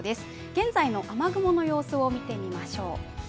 現在の雨雲の様子を見てみましょう。